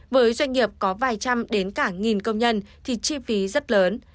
với doanh nghiệp có vài trăm đến cả nghìn công nhân thì chi phí rất lớn